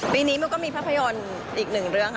ปีนี้มันก็มีภาพยนตร์อีกหนึ่งเรื่อง